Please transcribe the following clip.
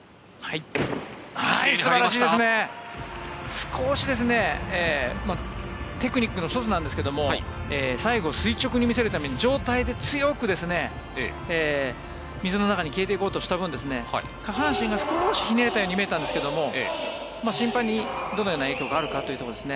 少しテクニックの１つなんですけども最後、垂直に見せるため上体で強く水の中に消えていこうとした分下半身が少しひねれたように見えたんですが審判にどのような影響があるかというところですね。